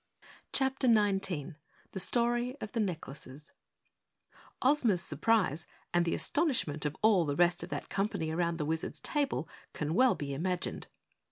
CHAPTER 19 The Story of the Necklaces Ozma's surprise and the astonishment of all the rest of that company around the Wizard's table can well be imagined.